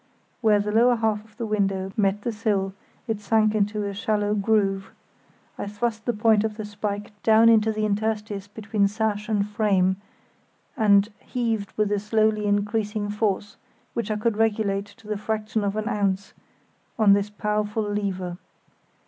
Where the lower half of the window met the sill it sank into a shallow groove. I thrust the point of the spike down into the interstice between sash and frame and heaved with a slowly increasing force, which I could regulate to the fraction of an ounce, on this powerful lever.